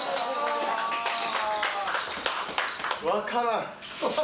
分からん！